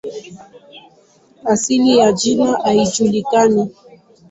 Asili ya jina haijulikani.